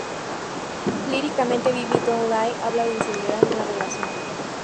Líricamente, "Baby Don't Lie" habla de inseguridad en una relación.